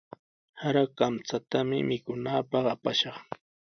Sara kamchatami mikunanpaq apashqa.